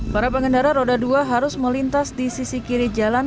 para pengendara roda dua harus melintas di sisi kiri jalan